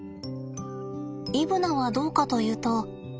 イブナはどうかというと。